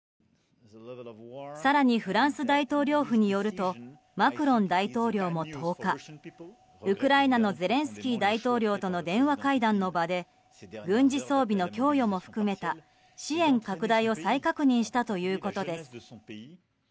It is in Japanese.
更にフランス大統領府によるとマクロン大統領も１０日ウクライナのゼレンスキー大統領との電話会談の場で軍事装備の供与も含めた支援拡大を再確認したということです。